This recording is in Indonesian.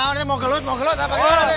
ya nahun ini mau gelut mau gelut apa ini